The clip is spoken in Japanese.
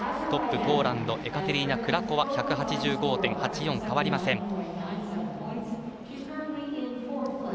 トップ、ポーランドのエカテリーナ・クラコワ１８５．８４、変わりません。